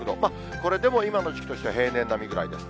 これでも今の時期としては平年並みぐらいです。